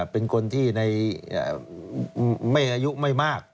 เป็นคนที่ไม่อายุไม่มาก